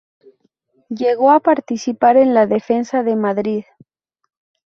Llegó a participar en la Defensa de Madrid.